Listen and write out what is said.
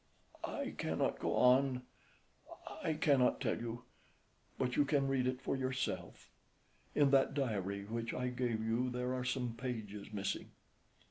"I cannot go on, I cannot tell you, but you can read it for yourself. In that diary which I gave you there are some pages missing."